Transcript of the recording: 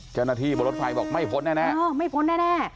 เจ้าหน้าที่บนรถไฟบอกไม่พ้นแน่ไม่พ้นแน่